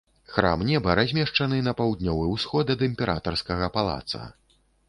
Храм неба размешчаны на паўднёвы ўсход ад імператарскага палаца.